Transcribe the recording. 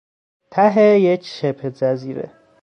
ته یک شبهجزیره